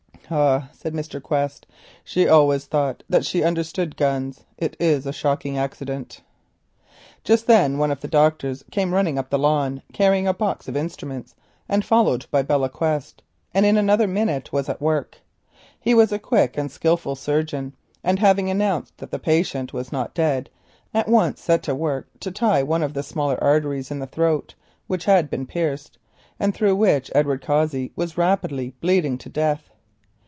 "Ah," said Mr. Quest. "She always thought she understood guns. It is a shocking accident." Just then one of the doctors, followed by Belle Quest, ran up the lawn carrying a box of instruments, and in another minute was at work. He was a quick and skilful surgeon, and having announced that the patient was not dead, at once began to tie one of the smaller arteries in the throat, which had been pierced, and through which Edward Cossey was rapidly bleeding to death.